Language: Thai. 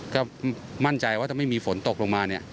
ก็มั่นใจว่าจะไม่มีฝนตกลงมา